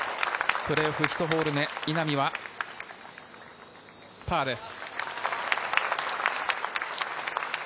プレーオフ、１ホール目、稲見はパーです。